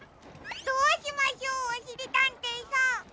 どうしましょうおしりたんていさん。